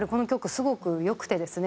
すごく良くてですね。